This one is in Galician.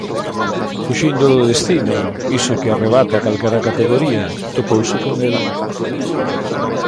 Fuxindo do destino, iso que arrebata calquera categoría, topouse con el.